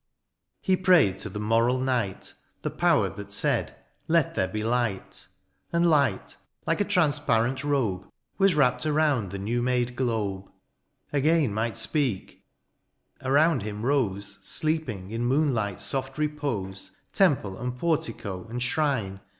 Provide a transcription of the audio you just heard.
He prayed that to the moral night The Power that said, ^^ Let there be light,'' And light, like a transparent robe. Was wrapped aroimd the new made globe, — Again might speak : around him rose Sleeping in moonlight's soft repose Temple, and portico, and shrine.